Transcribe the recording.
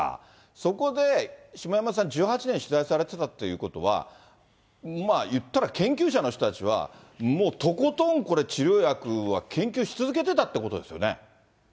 そこで、下山さん、１８年取材されてたということは、まあ言ったら研究者の人たちは、もうとことん、これ、治療薬は研究し続けてたってことですよね。